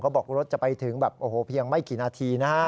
บอกรถจะไปถึงแบบโอ้โหเพียงไม่กี่นาทีนะฮะ